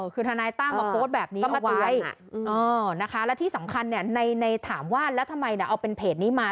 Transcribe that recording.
คือทนายตั้มมาโพสต์แบบนี้ก็มาเตือนนะคะและที่สำคัญในถามว่าแล้วทำไมเอาเป็นเพจนี้มา